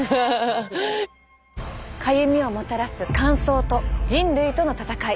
かゆみをもたらす乾燥と人類との戦い。